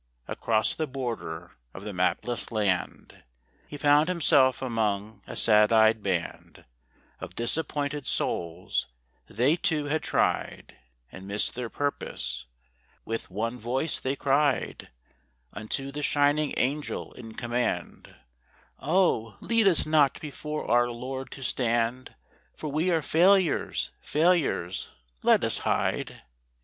Across the border of the mapless land He found himself among a sad eyed band Of disappointed souls; they, too, had tried And missed their purpose. With one voice they cried Unto the shining Angel in command: 'Oh, lead us not before our Lord to stand, For we are failures, failures! Let us hide.